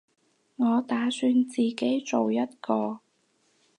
我打算自己做一個